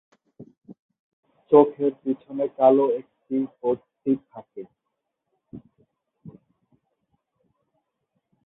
চোখের পেছনে কালো একটি পট্টি থাকে।